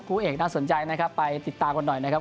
เอกน่าสนใจนะครับไปติดตามกันหน่อยนะครับ